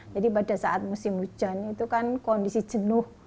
jadi pada saat musim hujan itu kan kondisi jenuh